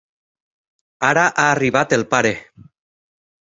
Ara ha arribat el pare.